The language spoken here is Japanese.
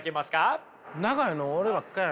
長いの俺ばっかや。